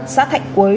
xã thạnh quế